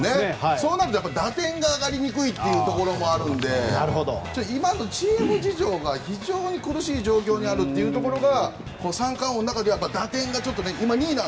そうなると打点が上がりにくいというところもあるので今のチーム事情が、非常に苦しい状況にあるということが三冠王の中で打点がちょっとね。